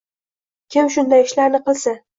Kim shunday ishlarni qilsa